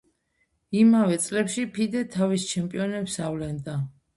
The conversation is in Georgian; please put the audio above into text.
იმავე წლებში ფიდე თავის ჩემპიონებს ავლენდა.